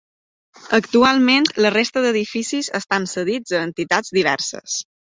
Actualment la resta d'edificis estan cedits a entitats diverses.